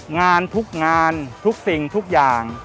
งานทุกงานทุกสิ่งทุกอย่าง